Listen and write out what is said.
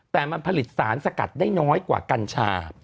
แต่มันผลิตสารสกัดได้น้อยกว่ากัญชา